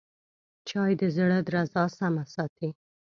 چای د زړه درزا سمه ساتي